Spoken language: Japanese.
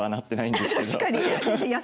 確かに。